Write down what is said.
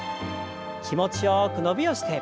気持ちよく伸びをして。